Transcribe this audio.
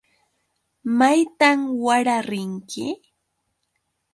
¿Maytan wara rinki?